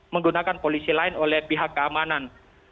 menggunakan polisi lain oleh pihak keamanan